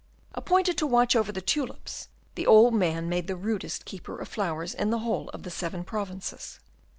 Appointed to watch over the tulips, the old man made the rudest keeper of flowers in the whole of the Seven Provinces.